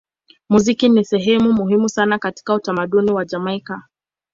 Muziki ni sehemu muhimu sana katika utamaduni wa Jamaika.